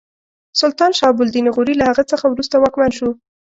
سلطان شهاب الدین غوري له هغه څخه وروسته واکمن شو.